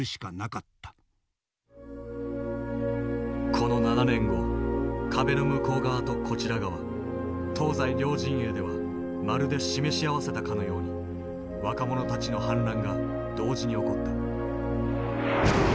この７年後壁の向こう側とこちら側東西両陣営ではまるで示し合わせたかのように若者たちの反乱が同時に起こった。